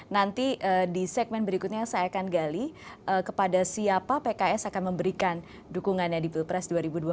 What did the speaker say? nanti di segmen berikutnya saya akan gali kepada siapa pks akan memberikan dukungannya di pilpres dua ribu dua puluh